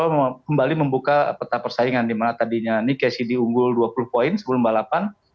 kita kembali membuka peta persaingan dimana tadinya nick cassidy unggul dua puluh poin sebelum balapan